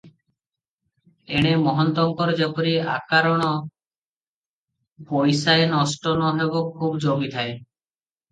ଏଣେ ମହନ୍ତଙ୍କର ଯେପରି ଅକାରଣ ପଇସାଏ ନଷ୍ଟ ନ ହେବ ଖୁବ୍ ଜଗିଥାଏ ।